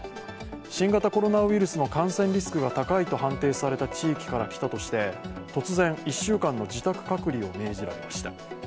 新型コロナウイルスの感染リスクが高いと判定された地域から来たとして突然、１週間の自宅隔離を命じられました。